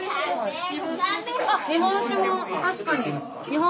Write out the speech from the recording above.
あっ日本酒も確かに。